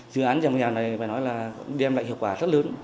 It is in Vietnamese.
dự án giảm nghèo này bà nói là đem lại hiệu quả rất lớn